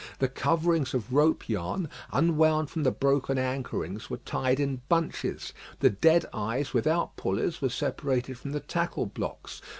The coverings of rope yarn, unwound from the broken anchorings, were tied in bunches; the dead eyes without pulleys were separated from the tackle blocks.